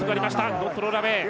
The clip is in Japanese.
ノットロールアウェイ。